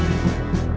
kau yang jahat